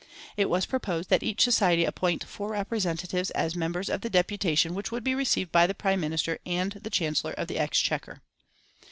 It was proposed that each society appoint four representatives as members of the deputation which would be received by the Prime Minister and the Chancellor of the Exchequer.